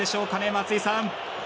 松井さん。